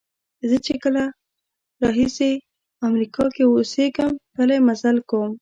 زه چې کله راهیسې امریکا کې اوسېږم پلی مزل کوم.